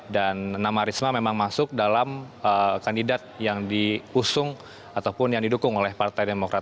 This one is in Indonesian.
dan nama risma memang masuk dalam kandidat yang diusung ataupun yang didukung oleh partai demokrat